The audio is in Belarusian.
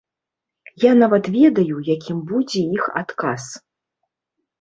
Я нават ведаю, якім будзе іх адказ.